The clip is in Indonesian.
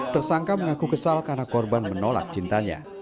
tersangka mengaku kesal karena korban menolak cintanya